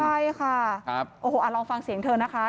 ใช่ค่ะโอ้โหลองฟังเสียงเธอนะคะ